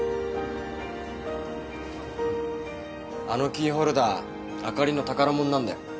あのキーホルダーあかりの宝物なんだよ。